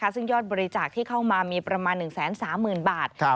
ซึ่งยอดบริจาคที่เข้ามามีประมาณ๑๓๐๐๐บาท